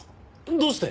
どうして？